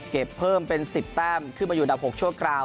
เก็บเพิ่มเป็น๑๐แต้มขึ้นมาอยู่อันดับ๖ชั่วคราว